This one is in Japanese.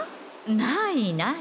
ないない。